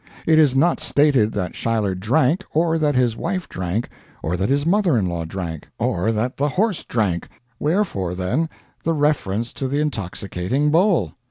It is not stated that Schuyler drank, or that his wife drank, or that his mother in law drank, or that the horse drank wherefore, then, the reference to the intoxicating bowl?